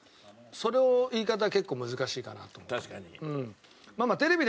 その言い方結構難しいかなと思った。